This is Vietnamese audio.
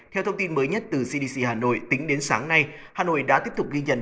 theo thông tin mới nhất từ cdc hà nội tính đến sáng nay hà nội đã tiếp tục ghi nhận